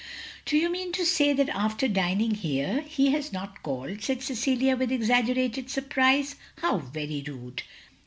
"Do you mean to say that aftefr dining here, he has not called!" said Cecilia with exaggerated surprise. " How very rude.